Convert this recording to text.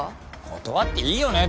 断っていいよね？